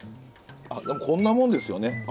でもこんなもんですよね。